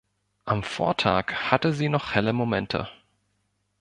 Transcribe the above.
Am Vortag hatte sie noch helle Momente.